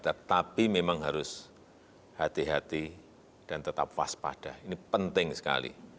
tetapi memang harus hati hati dan tetap waspada ini penting sekali